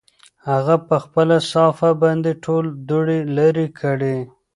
هغه په خپله صافه باندې ټول دوړې لرې کړې.